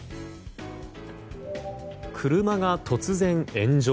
車が突然、炎上。